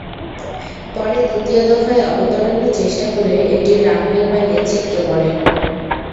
পরে দ্বিতীয় দফায় অবতরণের চেষ্টা করে এটি রানওয়ের বাইরে ছিটকে পড়ে।